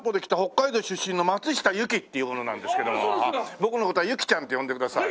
僕の事は「由樹ちゃん」って呼んでください。